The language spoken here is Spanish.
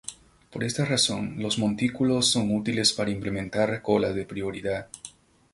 Por esta razón, los montículos son útiles para implementar colas de prioridad.